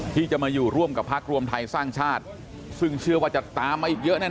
ที่จะมาอยู่ร่วมกับพักรวมไทยสร้างชาติซึ่งเชื่อว่าจะตามมาอีกเยอะแน่